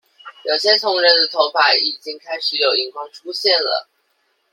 有些同仁的頭髮已經開始有銀光出現了